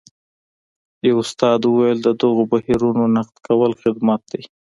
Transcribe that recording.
یوه استاد وویل د دغو بهیرونو نقد کول خدمت دی.